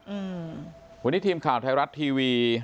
อืมวันนี้ทีมข่าวไทยรัฐทีวี